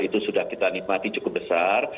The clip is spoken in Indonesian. itu sudah kita nikmati cukup besar